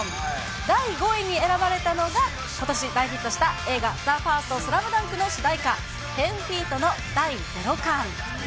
第５位に選ばれたのがことし大ヒットした映画、ＴＨＥＦＩＲＳＴＳＬＡＭＤＵＮＫの主題歌、１０ーＦＥＥＴの第ゼロ感。